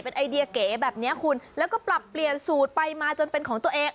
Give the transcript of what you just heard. ไอเดียเก๋แบบนี้คุณแล้วก็ปรับเปลี่ยนสูตรไปมาจนเป็นของตัวเอง